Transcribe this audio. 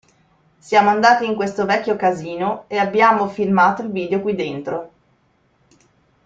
Siamo andati in questo vecchio casino e abbiamo filmato il video qui dentro.